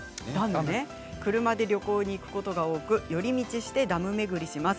車で旅行に行くことが多く寄り道してダムを巡りします。